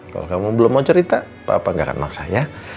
kalau kamu belum mau cerita papa nggak akan maksa ya